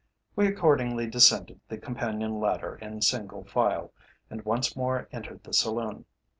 We accordingly descended the companion ladder in single file, and once more entered the saloon.